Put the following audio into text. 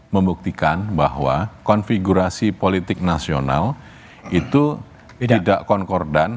membuktikan bahwa konfigurasi politik nasional itu tidak konkordan